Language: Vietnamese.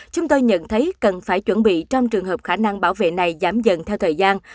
chúng tôi nhận thấy cần phải chuẩn bị trong trường hợp khả năng bảo vệ này giảm dần theo thời gian